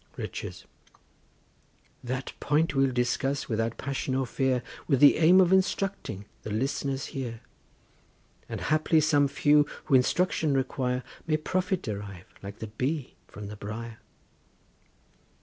RICHES. That point we'll discuss without passion or fear With the aim of instructing the listeners here; And haply some few who instruction require May profit derive like the bee from the briar.